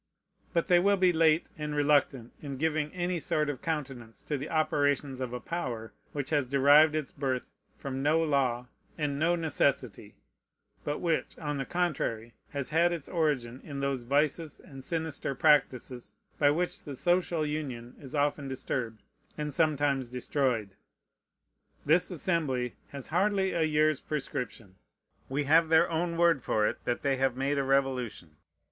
But they will be late and reluctant in giving any sort of countenance to the operations of a power which has derived its birth from no law and no necessity, but which, on the contrary, has had its origin in those vices and sinister practices by which the social union is often disturbed and sometimes destroyed. This Assembly has hardly a year's prescription. We have their own word for it that they have made a revolution.